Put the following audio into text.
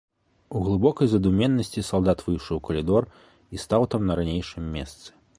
У глыбокай задуменнасці салдат выйшаў у калідор і стаў там на ранейшым месцы.